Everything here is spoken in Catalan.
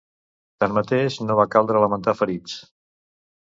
Tanmateix, no va caldre lamentar ferits.